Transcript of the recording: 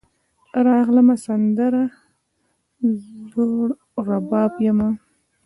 راغلمه , سندره زوړرباب یمه